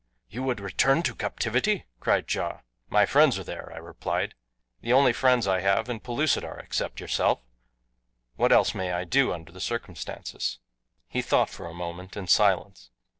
"You would return to captivity?" cried Ja. "My friends are there," I replied, "the only friends I have in Pellucidar, except yourself. What else may I do under the circumstances?" He thought for a moment in silence.